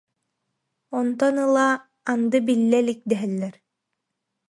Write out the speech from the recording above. Онтон ыла анды биллэ илик дэһэллэр